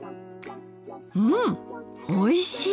うんおいしい！